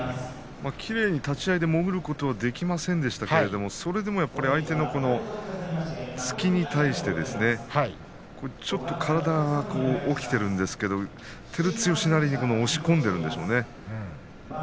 きれいに立ち合いで潜ることはできませんでしたけれどもそれでも相手の突きに対してちょっと体が起きているんですけど照強なりに押し込んでいるんでしょうね。